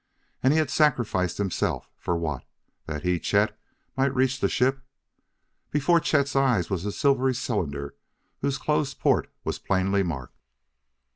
And he had sacrificed himself for what? that he, Chet, might reach the ship!... Before Chet's eyes was a silvery cylinder whose closed port was plainly marked.